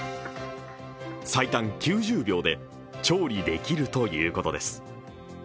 最短９０秒で調理できるということです。